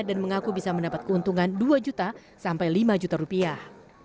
dan mengaku bisa mendapat keuntungan dua juta sampai lima juta rupiah